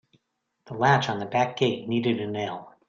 The latch on the back gate needed a nail.